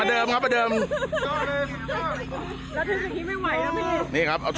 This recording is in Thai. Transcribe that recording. อันเดิมครับอันเดิมเนธ